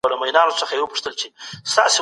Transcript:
موږ د هیواد د سوکالۍ لپاره هڅې کولي.